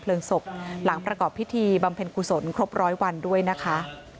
ศพหลังประกอบพิธีบำเพ็ญกุศลครบร้อยวันด้วยนะคะ